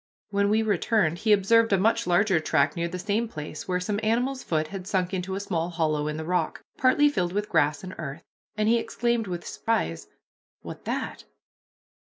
When we returned, he observed a much larger track near the same place, where some animal's foot had sunk into a small hollow in the rock, partly filled with grass and earth, and he exclaimed with surprise, "What that?"